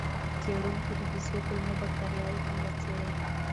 څېړونکو د بیزو کولمو بکتریاوې هم وڅېړې.